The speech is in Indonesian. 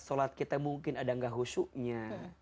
solat kita mungkin ada gak husuknya